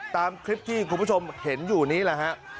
ตามคลิปที่คุณผู้ชมเห็นอยู่นี้แหละฮะ